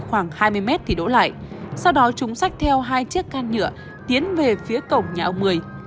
khoảng hai mươi mét thì đổ lại sau đó chúng xách theo hai chiếc can nhựa tiến về phía cổng nhà ông mười